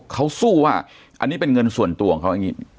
เขาสู้ว่าอันนี้เป็นเงินส่วนตัวของเขาอย่างนี้